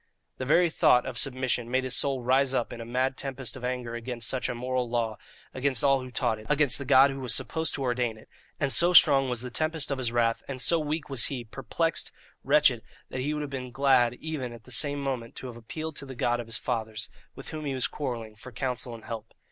The very thought of submission made his soul rise up in a mad tempest of anger against such a moral law, against all who taught it, against the God who was supposed to ordain it; and so strong was the tempest of this wrath, and so weak was he, perplexed, wretched, that he would have been glad even at the same moment to have appealed to the God of his fathers, with whom he was quarrelling, for counsel and help.